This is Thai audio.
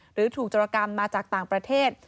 หรือถูกจรกรรมมาจากต่างประเทศ